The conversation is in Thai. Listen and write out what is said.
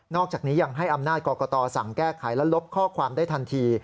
อกจากนี้ยังให้อำนาจกรกตสั่งแก้ไขและลบข้อความได้ทันที